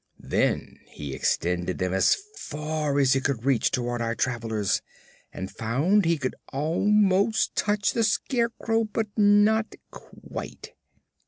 Then he extended them as far as he could reach toward our travelers and found he could almost touch the Scarecrow but not quite.